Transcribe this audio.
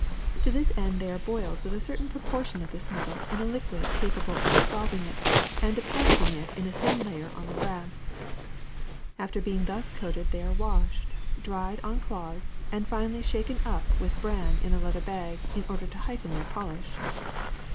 To this end they are boiled with a certain proportion of this metal in a liquid capable of dissolving it and depositing it in a thin layer on the brass. After being thus coated they are washed, dried on cloths, and finally shaken up with bran in a leather bag in order to heighten their polish.